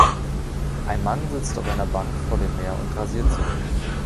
Ein Mann sitzt auf einer Bank vor dem Meer und rasiert sich.